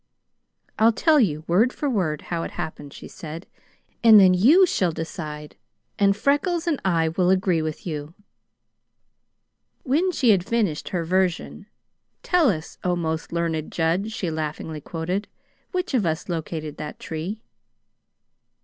"I'll tell you, word for word, how it happened," she said, "and then you shall decide, and Freckles and I will agree with you." When she had finished her version, "Tell us, 'oh, most learned judge!'" she laughingly quoted, "which of us located that tree?"